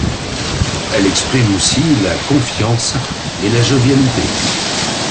Elle exprime aussi la confiance et la jovialité.